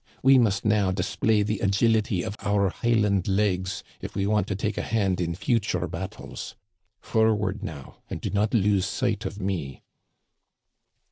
We must now display the agility of our Highland legs, if we want to take a hand in future battles. Forward now, and do not lose sight of me."